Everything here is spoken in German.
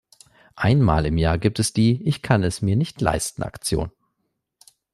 Einmal im Jahr gibt es die „Ich kann es mir nicht leisten“-Aktion.